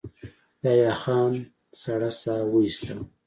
يحيی خان سړه سا وايسته.